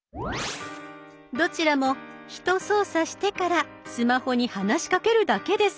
どちらもひと操作してからスマホに話しかけるだけです。